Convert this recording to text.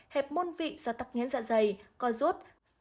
hẹp môn vị do tặc nhến dạ dày co rút